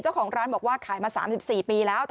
เจ้าของร้านบอกว่าขายมา๓๔ปีแล้ว